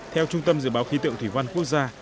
theo trung tâm dự báo khí tượng thủy văn quốc gia